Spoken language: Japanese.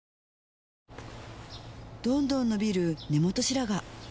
どんどん伸びる根元白髪